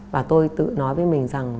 và tôi tự nói với mình rằng